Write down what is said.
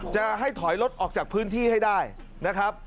จะให้ถอยรถออกจากพื้นที่ให้ได้นะครับ